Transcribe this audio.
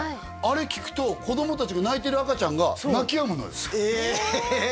あれ聴くと子供達が泣いてる赤ちゃんが泣きやむのよえ！